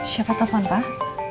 siapa telfon pak